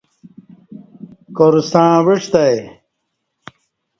کار ستݩع اوعستہ آئی